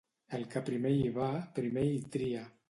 El que primer hi va, primer hi tria.